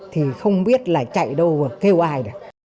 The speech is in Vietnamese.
thì không biết là chạy đâu và kêu ai được